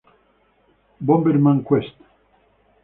Bomberman Quest